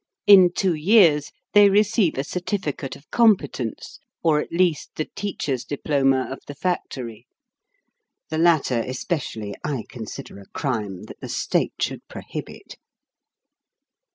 In two years they receive a cer tificate of competence, or at least the teacher's diploma of the factory. The latter, especially, I consider a crime, that the state should prohibit.